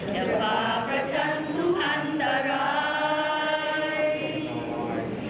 จะฝากระฉันทุกอันตราย